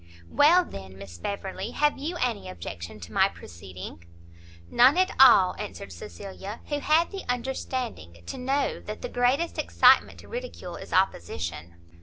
"Well, then, Miss Beverley, have you any objection to my proceeding?" "None at all!" answered Cecilia, who had the understanding to know that the greatest excitement to ridicule is opposition.